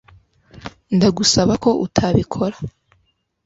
ndagusaba ko utabikora